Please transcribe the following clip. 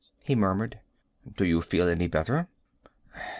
he murmured. "Do you feel any better?"